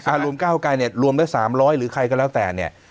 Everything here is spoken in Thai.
รวมก้าวไกลเนี่ยรวมได้๓๐๐หรือใครก็แล้วแต่เนี่ย